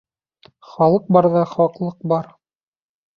Халыҡ барҙа хаҡлыҡ бар.